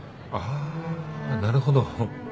あなるほど。